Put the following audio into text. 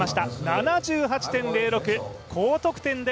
７８．０６、高得点で